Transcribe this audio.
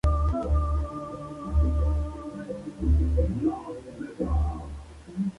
Debido a ello fueron invitados al programa de Televisa "Siempre en domingo".